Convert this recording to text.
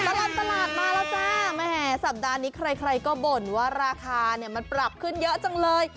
ร่านมาแล้วซะไม่แหงสัปดาห์นี้ใครใครก็โบนว่าราคามันปรับขึ้นเยอะจังเลย